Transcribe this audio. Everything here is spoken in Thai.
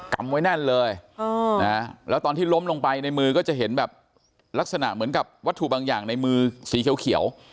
ำไว้แน่นเลยแล้วตอนที่ล้มลงไปในมือก็จะเห็นแบบลักษณะเหมือนกับวัตถุบางอย่างในมือสีเขียว